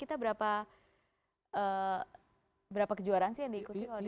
kita berapa kejuaraan sih yang diikuti